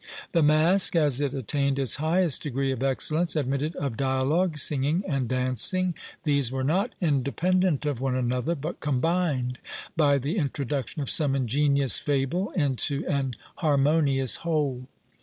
"The Masque, as it attained its highest degree of excellence, admitted of dialogue, singing, and dancing; these were not independent of one another, but combined, by the introduction of some ingenious fable, into an harmonious whole.